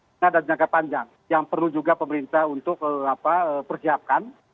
tidak ada jangka panjang yang perlu juga pemerintah untuk persiapkan